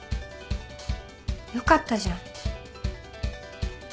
よかったじゃん。